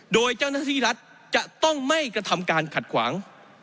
โดยเจ้าหน้าที่รัฐจะต้องไม่กระทำการขัดขวาง